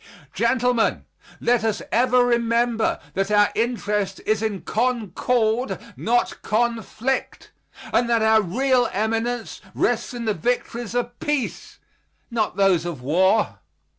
Gentlemen, let us ever remember that our interest is in concord, not conflict; and that our real eminence rests in the victories of peace, not those of war.